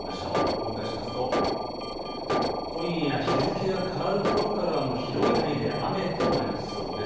動かしますと、今夜、日付が変わるころからは、広い範囲で雨となりそうです。